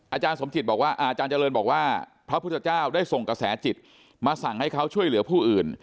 อาจารย์สมจิตบอกว่าอาจารย์เจริญบอกว่าพระพุทธเจ้าได้ส่งกระแสจิตมาสั่งให้เขาช่วยเหลือผู้อื่น